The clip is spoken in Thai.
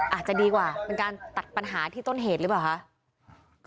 อาจจะดีกว่าเป็นการตัดปัญหาที่ต้นเหตุหรือเปล่าคะ